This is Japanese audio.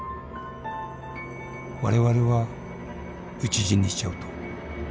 我々は討ち死にしちゃうと。